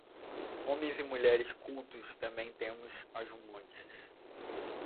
Homens e mulheres cultos também temos aos montes